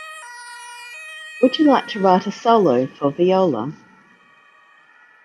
Would you like to write a solo for viola?